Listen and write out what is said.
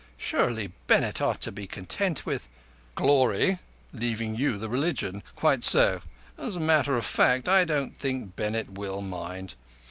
Surely Bennett ought to be content with—" "Glory, leaving you the religion. Quite so! As a matter of fact I don't think Bennett will mind.